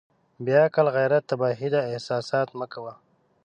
بې عقل غيرت تباهي ده احساسات مه کوئ.